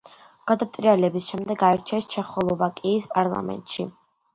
გადატრიალების შემდეგ აირჩიეს ჩეხოსლოვაკიის პარლამენტში.